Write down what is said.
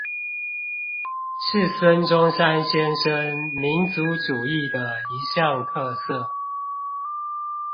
是孫中山先生民族主義的一項持色